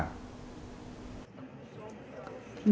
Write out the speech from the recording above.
nến và hoa